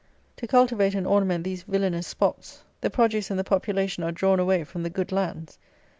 To cultivate and ornament these villanous spots the produce and the population are drawn away from the good lands.